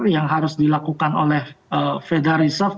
yang harus dilakukan oleh fedarisek